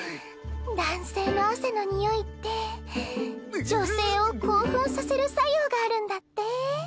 男性の汗の匂いって女性を興奮させる作用があるんだって。